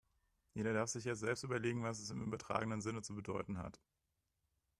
Jeder darf sich jetzt selbst überlegen, was das im übertragenen Sinne zu bedeuten hat.